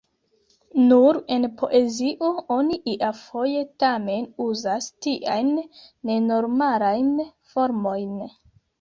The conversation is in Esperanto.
Nur en poezio oni iafoje tamen uzas tiajn nenormalajn formojn.